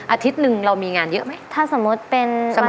อาทิตย์หนึ่งเรามีงานเยอะไหมถ้าสมมติเป็น